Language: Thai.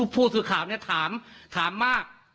ผู้ถือข่าวเนี่ยถามมาก